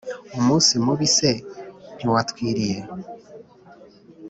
umunsi mubi se ntiwatwiriye